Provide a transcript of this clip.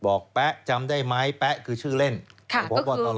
บอกแป๊ะจำได้ไหมแป๊ะคือชื่อเล่นประบดลลอ